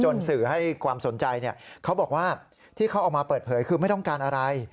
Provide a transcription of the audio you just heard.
สื่อให้ความสนใจเขาบอกว่าที่เขาเอามาเปิดเผยคือไม่ต้องการอะไร